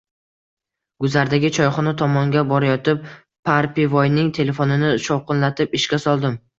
Guzardagi choyxona tomonga borayotib, Parpivoyning telefonini shovqinlatib ishga soldim